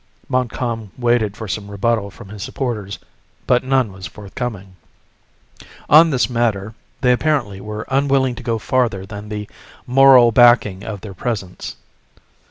Montcalm waited for some rebuttal from his supporters, but none was forthcoming. On this matter, they apparently were unwilling to go farther than the moral backing of their presence.